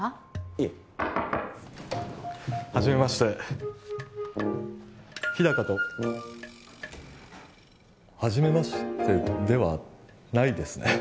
いえ初めまして日高と初めましてではないですね